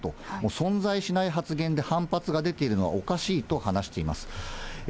存在しない発言で反発が出ているのはおかしいと話しています。